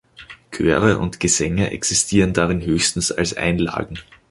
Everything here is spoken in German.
Chöre und Gesänge existieren darin höchstens als Einlagen.